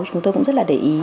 chúng tôi cũng rất là để ý